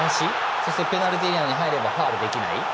そして、ペナルティーエリアに入ればファウルできない。